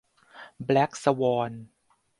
แบล็กสวอน